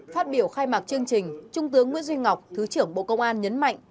phát biểu khai mạc chương trình trung tướng nguyễn duy ngọc thứ trưởng bộ công an nhấn mạnh